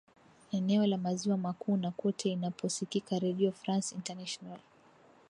eneo la maziwa makuu na kwote inaposikika redio france international